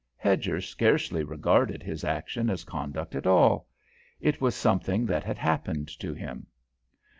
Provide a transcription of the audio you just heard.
Hedger scarcely regarded his action as conduct at all; it was something that had happened to him.